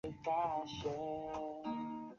镇政府驻镇江圩。